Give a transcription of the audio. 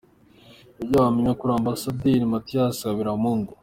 Ibyo wamenya kuri Ambasaderi Mathias Harebamungu.